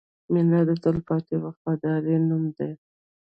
• مینه د تلپاتې وفادارۍ نوم دی.